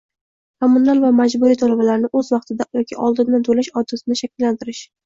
Kommunal va majburiy to'lovlarni o'z vaqtida yoki oldindan to'lash odatini shakllantirish